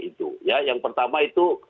itu yang pertama itu